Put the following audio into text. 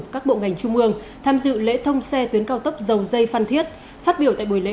các bộ ngành trung ương tham dự lễ thông xe tuyến cao tốc dầu dây phan thiết phát biểu tại buổi lễ